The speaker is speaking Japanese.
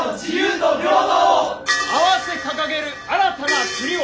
合わせ掲げる新たな国を。